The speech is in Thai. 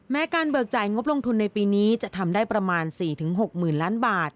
การเบิกจ่ายงบลงทุนในปีนี้จะทำได้ประมาณ๔๖๐๐๐ล้านบาท